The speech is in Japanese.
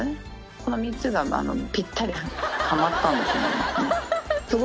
この３つがぴったりはまったんだと思いますね。